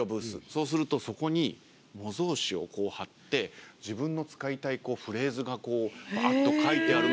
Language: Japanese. そうするとそこに模造紙をこう張って自分の使いたいフレーズがこうばっと書いてあるのを張って。